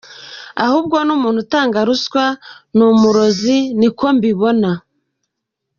Ahubwo n ’umuntu utanga ruswa ni umurozi niko mbibona.